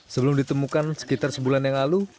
sebelum ditemukan sekitar sebulan yang lalu